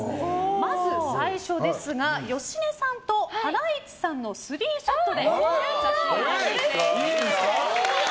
まず、最初ですが芳根さんとハライチさんのスリーショットで写真を撮っていただきます。